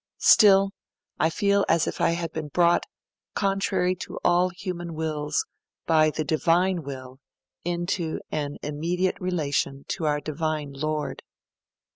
'Still, I feel as if I had been brought, contrary to all human wills, by the Divine Will, into an immediate relation to our Divine Lord.'